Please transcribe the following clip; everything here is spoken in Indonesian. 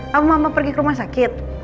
mau mama pergi ke rumah sakit